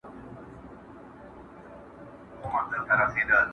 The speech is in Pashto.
له زړې بوډۍ لکړي مي شرمېږم.!